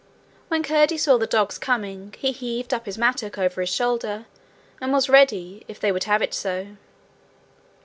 When Curdie saw the dogs coming he heaved up his mattock over his shoulder, and was ready, if they would have it so.